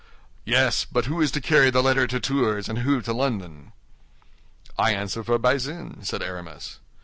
"Yes; but who is to carry the letter to Tours, and who to London?" "I answer for Bazin," said Aramis.